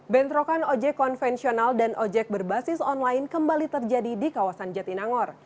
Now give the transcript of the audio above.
bentrokan ojek konvensional dan ojek berbasis online kembali terjadi di kawasan jatinangor